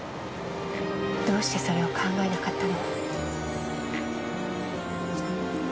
どうしてそれを考えなかったの？